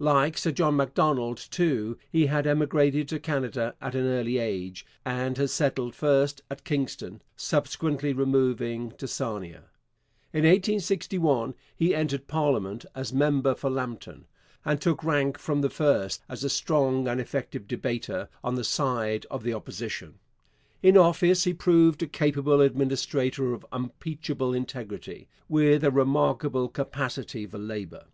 Like Sir John Macdonald, too, he had emigrated to Canada at an early age and had settled first at Kingston, subsequently removing to Sarnia. In 1861 he entered parliament as member for Lambton, and took rank from the first as a strong and effective debater on the side of the Opposition. In office he proved a capable administrator of unimpeachable integrity, with a remarkable capacity for labour.